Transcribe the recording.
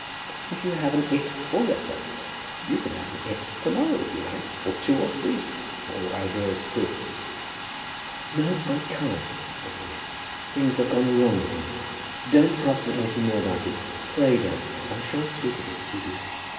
Why don't you have an 'it' for yourself? You can have an 'it' to morrow, if you like, or two or three, if all that I hear is true." "No, I can't," said Lily. "Things have gone wrong with me. Don't ask me anything more about it. Pray don't. I shan't speak of it if you do."